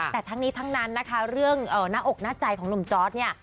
แต่ทั้งนี้ทั้งนั้นนะคะเรื่องหน้าอกหน้าใจของหนุ่มจอร์ดเนี่ย